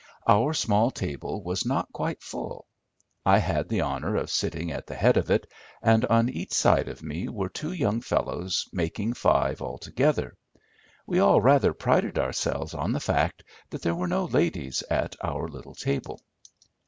Our small table was not quite full. I had the honour of sitting at the head of it, and on each side of me were two young fellows, making five altogether. We all rather prided ourselves on the fact that there were no ladies at our little table.